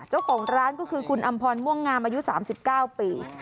เจ้าของร้านก็คือคุณอำพรม่วงงามอายุ๓๙ปี